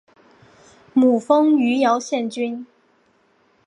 母封余姚县君。